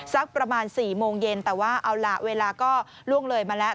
สักประมาณ๔โมงเย็นแต่ว่าเอาล่ะเวลาก็ล่วงเลยมาแล้ว